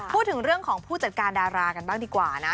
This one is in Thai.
พูดถึงเรื่องของผู้จัดการดารากันบ้างดีกว่านะ